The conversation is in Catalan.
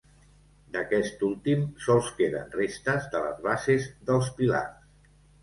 D'aquest últim sols queden restes de les bases dels pilars.